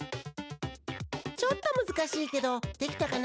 ちょっとむずかしいけどできたかな？